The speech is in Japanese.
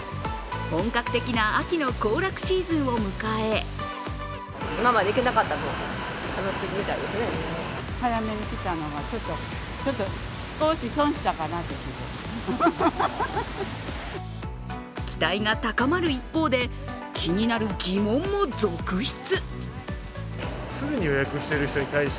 本格的な秋の行楽シーズンを迎え期待が高まる一方で、気になる疑問も続出。